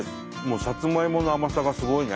さつまいもの甘さがすごいね。